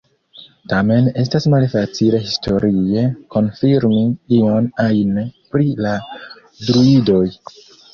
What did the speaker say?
Tamen estas malfacile historie konfirmi ion ajn pri la Druidoj.